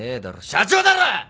社長だろ！